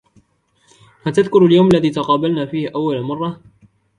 هل تذكر اليوم الذي تقابلنا فيه أول مرة ؟